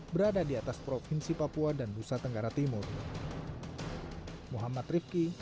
berada di atas provinsi papua dan nusa tenggara timur